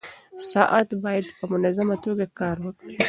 ساعت باید په منظمه توګه کار وکړي.